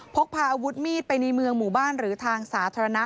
พกพาอาวุธมีดไปในเมืองหมู่บ้านหรือทางสาธารณะ